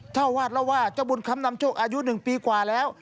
เจ้าวาดเล่าว่าเจ้าบุญคำนำโชคอายุ๑ปีกว่าแล้ว